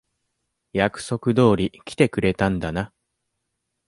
約束通り来てくれたんだな。